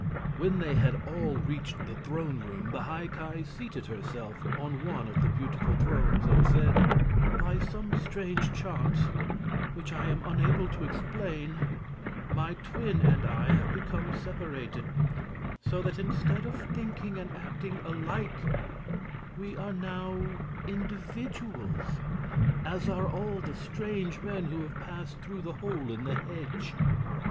When they had all reached the throne room, the High Ki seated herself on one of the beautiful thrones and said: "By some strange chance, which I am unable to explain, my twin and I have become separated; so that instead of thinking and acting alike, we are now individuals as are all the strange men who have passed through the hole in the hedge.